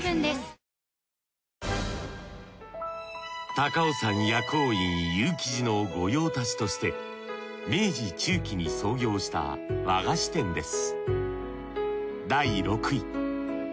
高尾山薬王院有喜寺の御用達として明治中期に創業した和菓子店です